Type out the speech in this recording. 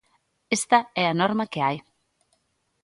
Esta é a norma que hai.